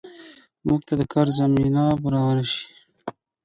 موږ ته د کار زمینه برابره شي